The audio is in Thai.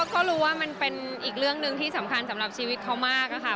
ก็รู้ว่ามันเป็นอีกเรื่องหนึ่งที่สำคัญสำหรับชีวิตเขามากค่ะ